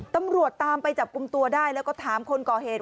ตำรวจตามไปจับกลุ่มตัวได้แล้วก็ถามคนก่อเหตุ